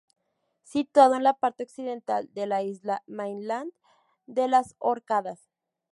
Situado en la parte occidental de la isla Mainland de las Orcadas.